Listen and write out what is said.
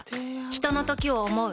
ひとのときを、想う。